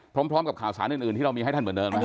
พร้อมกับข่าวสารอื่นที่เรามีให้ท่านเหมือนเดิมนะครับ